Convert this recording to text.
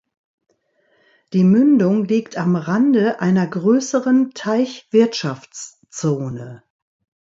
Die Mündung liegt am Rande einer größeren Teichwirtschaftszone.